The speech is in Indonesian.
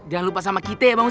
jangan lupa sama kita